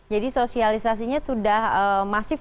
jadi sosialisasinya sudah masif